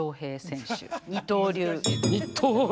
二刀流？